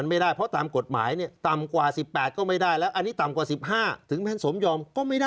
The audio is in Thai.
ไปร้านเกม